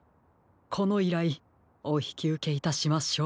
このいらいおひきうけいたしましょう。